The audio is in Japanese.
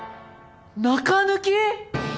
中抜き！？